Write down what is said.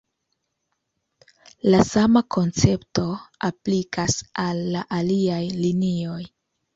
La sama koncepto aplikas al la aliaj linioj.